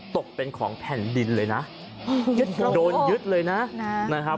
ตกเป็นของแผ่นดินเลยนะโอ้โหยึดโดนยึดเลยนะนะฮะ